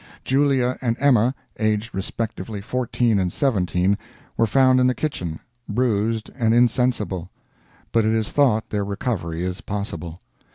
Julia and Emma, aged respectively fourteen and seventeen, were found in the kitchen, bruised and insensible, but it is thought their recovery is possible.